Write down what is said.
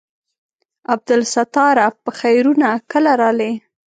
عبدالستاره په خيرونه کله رالې.